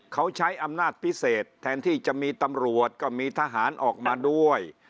เขาใช้อำนาจพิเศษแทนที่จะมีตำรวจก็มีทหารออกมาด้วย